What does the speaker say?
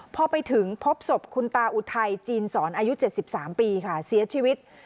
พอไปถึงพบศพคุณตาอุทัยจีนสอนอายุ๗๓ปีค่ะเสียชีวิต